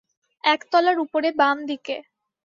একতলার উপরে বাম দিকে।